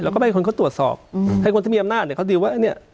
เราก็ไปให้คนเขาตรวจสอบให้คนที่มีอำนาจเขาดูว่าเนี่ย